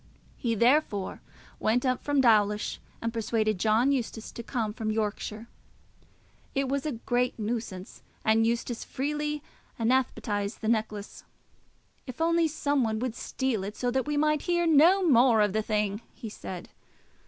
He therefore went up from Dawlish and persuaded John Eustace to come from Yorkshire. It was a great nuisance, and Eustace freely anathematised the necklace. "If only some one would steal it, so that we might hear no more of the thing!" he said.